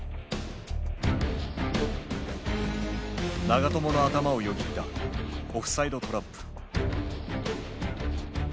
長友の頭をよぎったオフサイドトラップ。